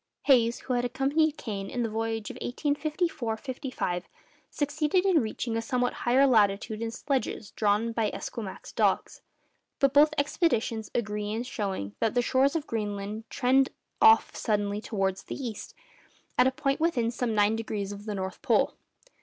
Hayes, who had accompanied Kane in the voyage of 1854 5, succeeded in reaching a somewhat higher latitude in sledges drawn by Esquimaux dogs. But both expeditions agree in showing that the shores of Greenland trend off suddenly towards the east at a point within some nine degrees of the North Pole.